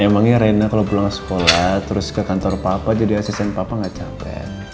emangnya reina kalo pulang sekolah terus ke kantor papa jadi asisten papa gak capek